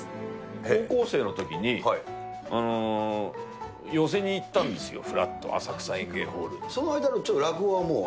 高校生のときに、寄席に行ったんですよ、ふらっと、その間、ちょっと落語は？